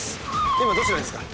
今どちらですか？